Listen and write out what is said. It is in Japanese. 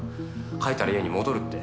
書いたら家に戻るって。